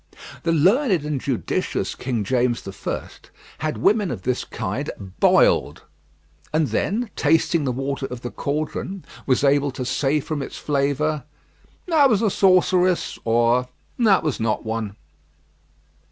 The learned and judicious King James I. had women of this kind boiled, and then tasting the water of the cauldron, was able to say from its flavour, "That was a sorceress;" or "That was not one."